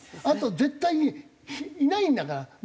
あと絶対にいないんだから。